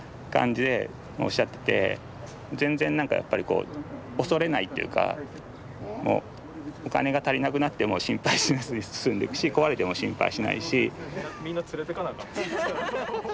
全然何かやっぱりこう恐れないっていうかもうお金が足りなくなっても心配しないで進んでいくし壊れても心配しないし。